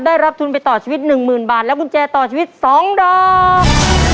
ได้รับทุนไปต่อชีวิตหนึ่งหมื่นบาทและกุญแจต่อชีวิตสองดอก